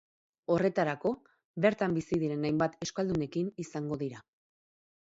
Horretarako, bertan bizi diren hainbat euskaldunekin izango dira.